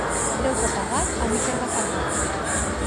Deute pagat, amic refermat.